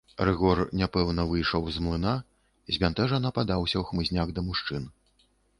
Рыгор няпэўна выйшаў з млына, збянтэжана падаўся ў хмызняк да мужчын.